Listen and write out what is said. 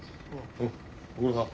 うんご苦労さん。